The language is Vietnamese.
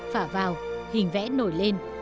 phả vào hình vẽ nổi lên